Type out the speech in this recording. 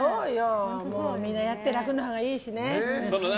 みんなやって楽なほうがいいしね。